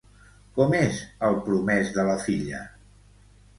Com és el promès de la filla?